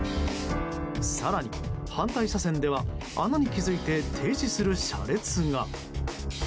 更に、反対車線では穴に気づいて停止する車列が。